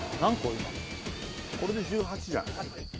今これで１８じゃない？